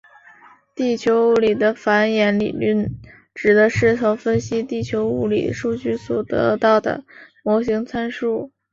地球物理的反演理论指的是从分析地球物理数据所得到的模型参数。